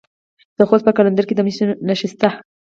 د خوست په قلندر کې د مسو نښې شته.